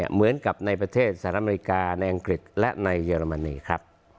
เหมือนกับในประเทศสหรัฐอเมริกาในอังกฤษและในเยอรมนีครับ